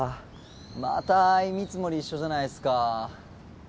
また相見積もり一緒じゃないっすか。